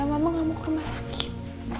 mama gak mau ke rumah sakit